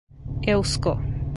eŭsko